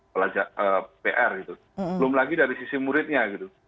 pelajar pr gitu belum lagi dari sisi muridnya gitu